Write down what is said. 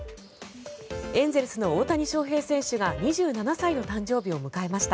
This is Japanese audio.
エンゼルスの大谷翔平選手が２７歳の誕生日を迎えました。